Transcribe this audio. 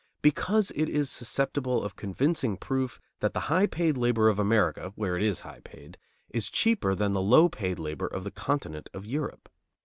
Because it is susceptible of convincing proof that the high paid labor of America, where it is high paid, is cheaper than the low paid labor of the continent of Europe.